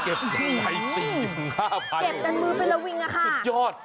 เก็บอย่างใดสี่ถึงห้าพันเก็บเป็นมือเป็นละวิงอะค่ะสุดยอด